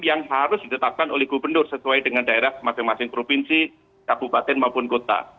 yang harus ditetapkan oleh gubernur sesuai dengan daerah masing masing provinsi kabupaten maupun kota